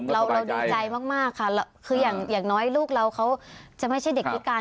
เราดีใจมากค่ะคืออย่างน้อยลูกเราเขาจะไม่ใช่เด็กพิการ